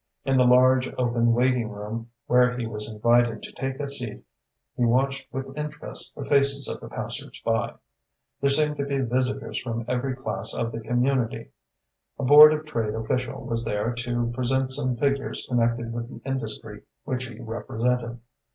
In the large, open waiting room where he was invited to take a seat he watched with interest the faces of the passers by. There seemed to be visitors from every class of the community. A Board of Trade official was there to present some figures connected with the industry which he represented.